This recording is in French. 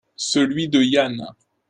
Celui de Yann.